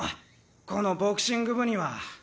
このボクシング部には。